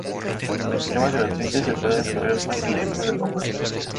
El sistema es gratuito y se puede descargar fácilmente de la web.